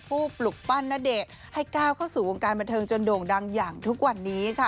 ปลุกปั้นณเดชน์ให้ก้าวเข้าสู่วงการบันเทิงจนโด่งดังอย่างทุกวันนี้ค่ะ